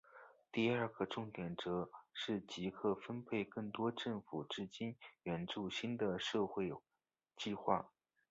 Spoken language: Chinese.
第二个重点则是即刻分配更多政府资金援助新的社会计画。